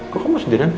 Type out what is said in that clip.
kok kamu sendiri